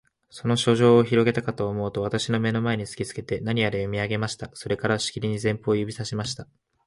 その書状をひろげたかとおもうと、私の眼の前に突きつけて、何やら読み上げました。それから、しきりに前方を指さしました。